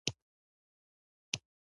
لا په باد او برَښنا کی، گردشونه را رستیږی